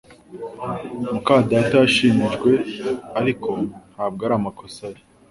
muka data yashinjwe, ariko ntabwo ari amakosa ye